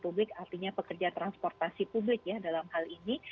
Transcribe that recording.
publik artinya pekerja transportasi publik ya dalam hal ini